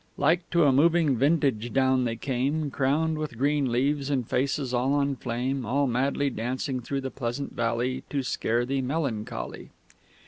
Like to a moving vintage down they came, Crowned with green leaves, and faces all on flame All madly dancing through the pleasant valley To scare thee, Melancholy!"